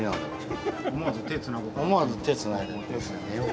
思わず手つなごう。